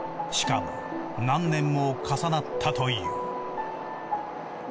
しかも何年も重なったという。